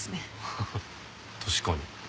ハハッ確かに。